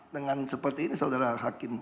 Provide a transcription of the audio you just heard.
dengan seperti ini saudara hakim